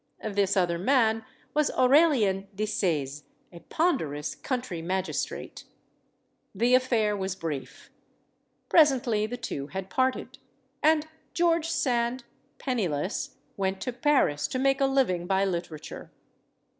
This other man was Aurelian de Seze, a ponderous country magistrate. The affair was brief. Presently the two had parted. And George Sand, penniless, went to Paris to make a living by literature.